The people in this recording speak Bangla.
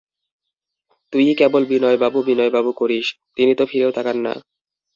তুইই কেবল বিনয়বাবু বিনয়বাবু করিস, তিনি তো ফিরেও তাকান না।